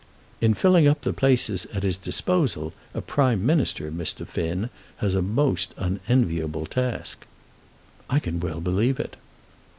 "In filling up the places at his disposal, a Prime Minister, Mr. Finn, has a most unenviable task." "I can well believe it."